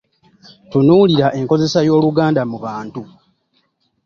Tutunuulira enkozesa y’Oluganda mu bantu.